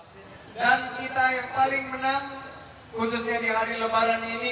dan kita yang paling menang khususnya di hari lembaran ini